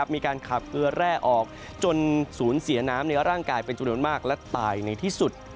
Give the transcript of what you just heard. มีการขับเกลือแร่ออกจนสูญเสียน้ำในร่างกายเป็นจำนวนมากและตายในที่สุด